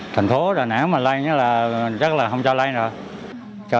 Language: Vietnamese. thành phố đà nẵng mà lây nhớ là chắc là không cho lây nữa